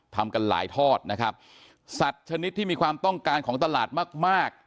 ทำกันหลายทอดนะครับสัตว์ชนิดที่มีความต้องการของตลาดมากมาก